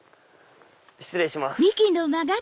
失礼します。